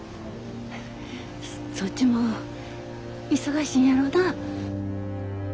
そっちも忙しいんやろなぁ。